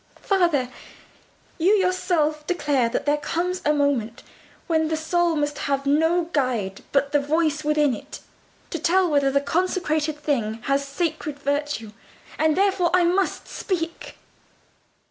Father, you yourself declare that there comes a moment when the soul must have no guide but the voice within it, to tell whether the consecrated thing has sacred virtue. And therefore I must speak."